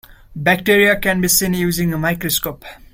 Bacteria can be seen using a microscope.